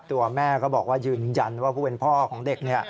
ตัวแม่ก็บอกว่ายืนยันว่าผู้เป็นพ่อของเด็ก